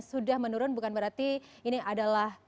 sudah menurun bukan berarti ini adalah